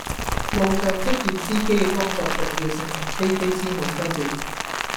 路上職業司機嘅工作重要性同飛機師冇分別